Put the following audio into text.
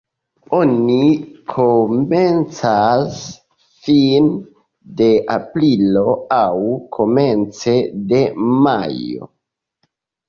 Oni komencas fine de aprilo aŭ komence de majo.